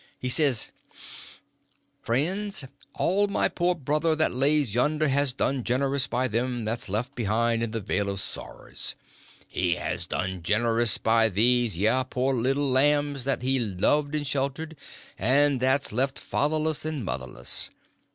He says: "Friends all, my poor brother that lays yonder has done generous by them that's left behind in the vale of sorrers. He has done generous by these yer poor little lambs that he loved and sheltered, and that's left fatherless and motherless.